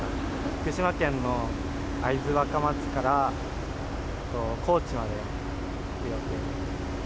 福島県の会津若松から高知まで行く予定です。